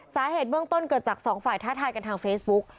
สาเหตุเบื้องต้นเกิดจากสองฝ่ายท้าทายกันทางเฟซบุ๊ก